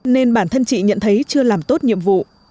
nên bản thân chị nhận thấy chưa làm tốt nhiệm vụ